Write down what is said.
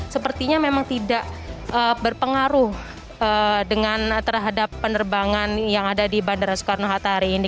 sepertinya memang tidak berpengaruh dengan terhadap penerbangan yang ada di bandara soekarno hatta hari ini